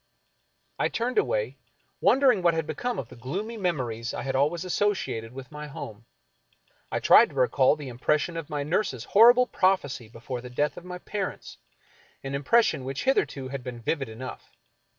I turned away, wondering what had become of the gloomy memories I had always associated with my home. I tried to recall the impression of my nurse's horrible prophecy be fore the death of my parents — an impression which hitherto had been vivid enough.